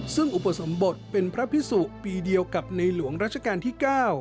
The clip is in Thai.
ซึ่งอุปสมบทเป็นพระพิสุปีเดียวกับในหลวงรัชกาลที่๙